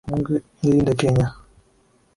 Mungu ilinde Kenya.